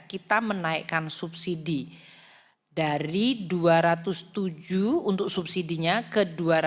kita menaikkan subsidi dari dua ratus tujuh untuk subsidinya ke dua ratus delapan puluh tiga tujuh